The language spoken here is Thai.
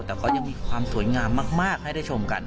แต่ก็ยังมีความสวยงามมากให้ได้ชมกัน